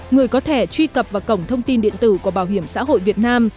người có thẻ truy cập vào cổng thông tin điện tử của bảo hiểm xã hội việt nam